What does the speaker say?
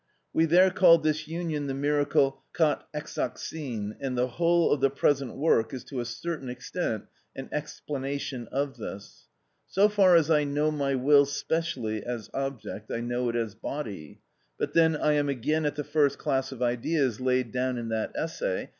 We there called this union the miracle κατ᾽ εξοχην, and the whole of the present work is to a certain extent an explanation of this. So far as I know my will specially as object, I know it as body. But then I am again at the first class of ideas laid down in that essay, _i.